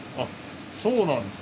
そうなんですね。